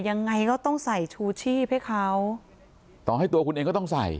ยังไงก็ต้องใส่ชูชีพให้เขาต่อให้ตัวคุณเองก็ต้องใส่